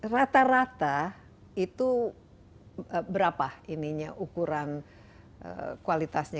rata rata itu berapa ininya ukuran kualitasnya